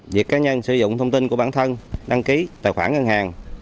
việc cá nhân sử dụng thông tin của bản thân đăng ký tài khoản ngân hàng